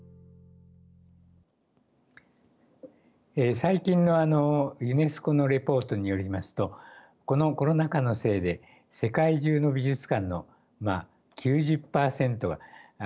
最近のユネスコのレポートによりますとこのコロナ禍のせいで世界中の美術館の９０％が一時閉館を余儀なくされたと伝えております。